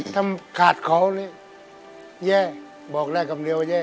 ทำกาดขาวแยะบอกได้คำิดเลี้ยวว่าแยะ